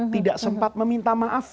tidak sempat meminta maaf